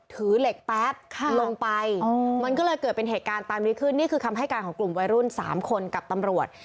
ถือเหล็กแป๊บลงไปมันก็เลยเกิดเป็นเหตุการณ์ตามนี้ขึ้นนี่คือคำให้การของกลุ่มวัยรุ่น๓คนกับตำรวจ